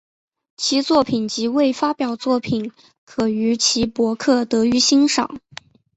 其作品及未发表作品可于其博客得于欣赏。